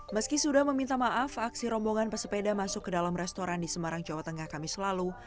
meski sudah meminta maaf aksi rombongan pesepeda masuk ke dalam restoran di semarang jawa tengah kamis lalu